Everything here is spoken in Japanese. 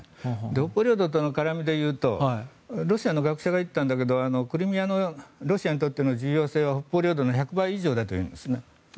北方領土との絡みで言うとロシアの学者が言っていたんだけどクリミアのロシアにとっての重要性は北方領土の１００倍以上だというんですね。